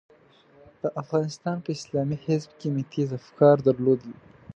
د افغانستان په اسلامي حزب کې مې تېز افکار درلودل.